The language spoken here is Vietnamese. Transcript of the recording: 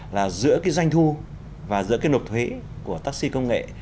là giữa cái doanh thu và giữa cái nộp thuế của taxi công nghệ